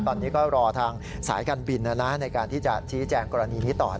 ตอนนี้ก็รอทางสายการบินในการที่จะชี้แจงกรณีนี้ต่อ